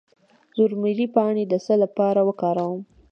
د روزمیری پاڼې د څه لپاره وکاروم؟